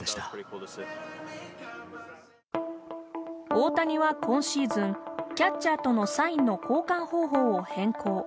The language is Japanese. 大谷は今シーズンキャッチャーとのサインの交換方法を変更。